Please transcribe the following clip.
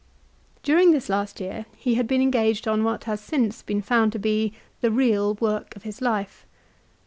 During this last year he had been engaged on what has since been found to be the real work of his life.